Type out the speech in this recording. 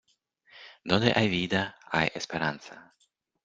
Donde hay vida hay esperanza.